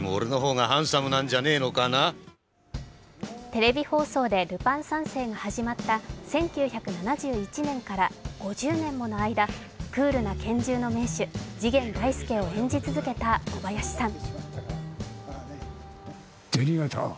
テレビ放送で「ルパン三世」が始まった１９７１年から５０年もの間５０年もの間、クールな拳銃の名手・次元大介を演じ続けた小林さん。